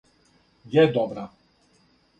је добра